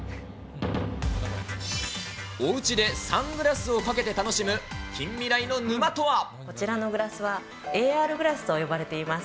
おうちでサングラスをかけて楽しこちらのグラスは、ＡＲグラスと呼ばれています。